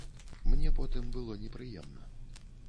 Мне потым было непрыемна.